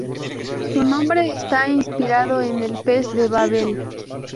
Su nombre está inspirado en el Pez de Babel.